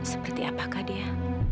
seperti apakah dia